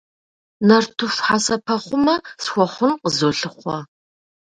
Нартыху хьэсэпэхъумэ схуэхъун къызолъыхъуэ.